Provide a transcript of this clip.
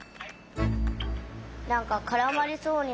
なんかからまりそうに